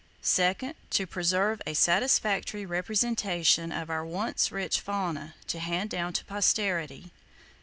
Second,—To preserve a satisfactory representation of our once rich fauna, to hand down to Posterity.